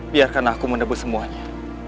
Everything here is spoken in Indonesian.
biarkan aku menebus semuanya